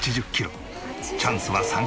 チャンスは３回。